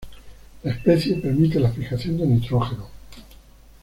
La especie permite la fijación de nitrógeno.